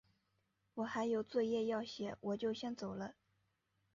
我还有作业要写，我就先走了。